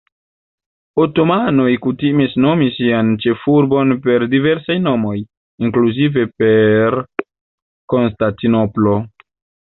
Otomanoj kutimis nomi sian ĉefurbon per diversaj nomoj, inkluzive per Konstantinopolo.